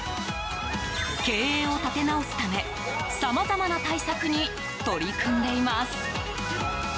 経営を立て直すためさまざまな対策に取り組んでいます。